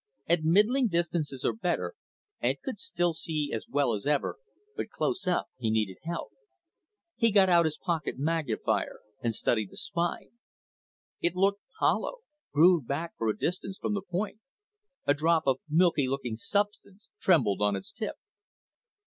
At middling distances or better, Ed could still see as well as ever, but close up he needed help. He got out his pocket magnifier and studied the spine. It looked hollow, grooved back for a distance from the point. A drop of milky looking substance trembled on its tip.